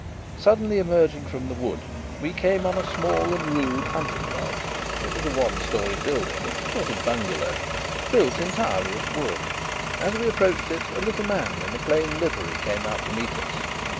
Suddenly emerging from the wood, we came on a small and rude hunting lodge. It was a one storey building, a sort of bungalow, built entirely of wood. As we approached it, a little man in a plain livery came out to meet us.